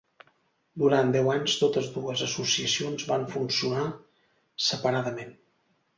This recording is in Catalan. Durant deu anys totes dues associacions van funcionar separadament.